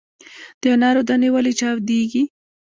د انارو دانې ولې چاودیږي؟